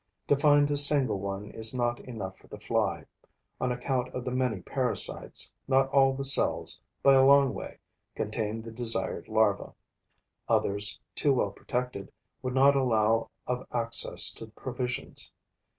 To find a single one is not enough for the fly: on account of the many parasites, not all the cells, by a long way, contain the desired larva; others, too well protected, would not allow of access to the provisions.